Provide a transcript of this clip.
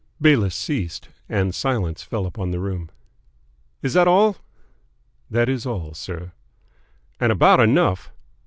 '" Bayliss ceased, and silence fell upon the room. "Is that all?" "That is all, sir." "And about enough."